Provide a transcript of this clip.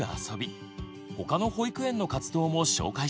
他の保育園の活動も紹介します！